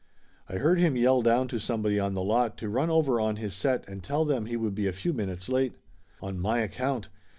I heard him yell down to somebody on the lot to run over on his set and tell them he would be a few min utes late. On my account!